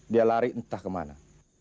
dia lari entah ke mana